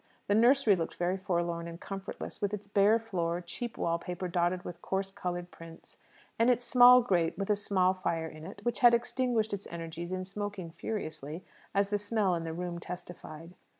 The nursery looked very forlorn and comfortless, with its bare floor, cheap wall paper dotted with coarse, coloured prints, and its small grate with a small fire in it, which had exhausted its energies in smoking furiously, as the smell in the room testified.